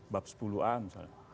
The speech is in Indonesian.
bab sepuluan misalnya